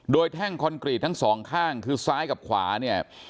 โดยแท่งคอนกรีตทั้งสองข้างคือซ้ายกับขวาเนี่ย